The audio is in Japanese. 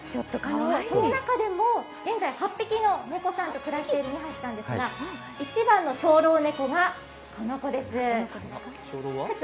その中でも現在８匹の猫ちゃんと暮らしている二橋さんですが、一番の長老猫がこの子です。